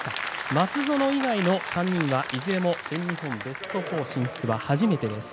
松園以外の３人はいずれも全日本ベスト４進出は初めてです。